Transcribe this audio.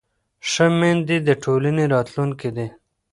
ښه میندې د ټولنې راتلونکی دي.